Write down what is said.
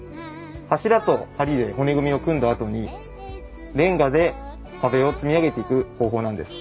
柱と梁で骨組みを組んだあとにれんがで壁を積み上げていく工法なんです。